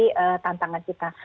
ini adalah tantangan kita